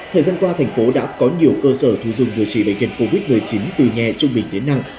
thời gian qua thành phố đã có nhiều cơ sở thu dung điều trị bệnh nhân covid một mươi chín từ nhẹ trung bình đến nặng